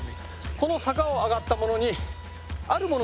この坂を上がったものにあるものがあります。